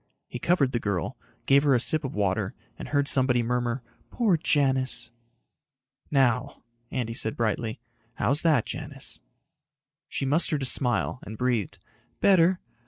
He covered the girl, gave her a sip of water and heard somebody murmur, "Poor Janis." "Now," Andy said brightly, "how's that, Janis?" She mustered a smile, and breathed, "Better.